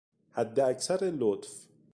حداکثر لطف